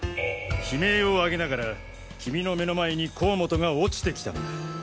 悲鳴をあげながらキミの目の前に甲本が落ちてきたんだ。